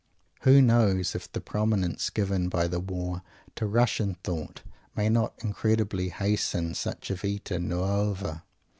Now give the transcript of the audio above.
Who knows if the new prominence given by the war to Russian thought may not incredibly hasten such a Vita Nuova?